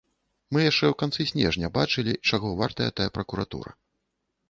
Мы яшчэ ў канцы снежня бачылі, чаго вартая тая пракуратура.